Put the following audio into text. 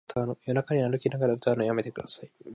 夜中に歩きながら歌うのやめてください